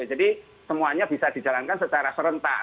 jadi semuanya bisa dijalankan secara serentak